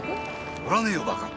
寄らねえよバカ！